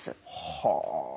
はあ。